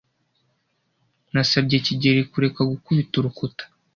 Nasabye kigeli kureka gukubita urukuta.